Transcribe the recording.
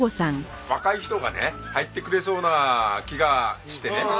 若い人がね入ってくれそうな気がしてね。